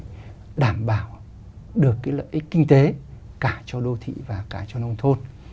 chúng ta phải đảm bảo được cái lợi ích kinh tế cả cho đô thị và cả cho nông thôn